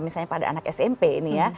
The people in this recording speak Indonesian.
misalnya pada anak smp ini ya